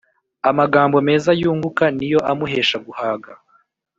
amagambo meza yunguka ni yo amuhesha guhaga